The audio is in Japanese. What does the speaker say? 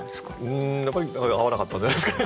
うんやっぱり合わなかったんじゃないですか。